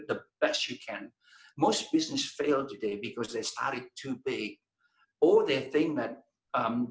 kebanyakan bisnis menang hari ini karena mereka mulai terlalu besar